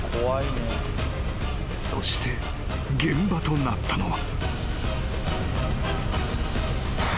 ［そして現場となったのは］